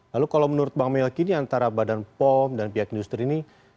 lalu kalau menurut bang melki ini antara badan pom dan pihak industri ini